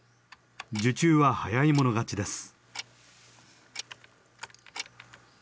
受注は早い者勝ちです。